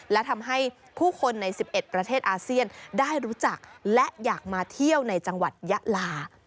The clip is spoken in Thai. และทำให้ผู้คนใน๑๑ประเทศอาเซียนได้รู้จักและอยากมาเที่ยวในจังหวัดยะลา